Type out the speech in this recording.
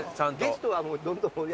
ゲストはどんどん。